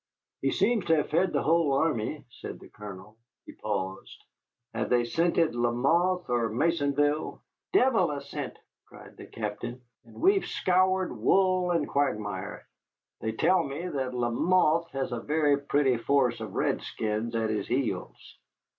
"He seems to have fed the whole army," said the Colonel. He paused. "Have they scented Lamothe or Maisonville?" "Devil a scent!" cried the Captain, "and we've scoured wood and quagmire. They tell me that Lamothe has a very pretty force of redskins at his heels."